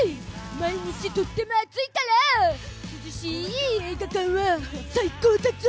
毎日とても暑いから涼しい映画館は最高だゾ！